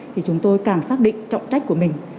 thì chúng tôi càng xác định trọng trách của mình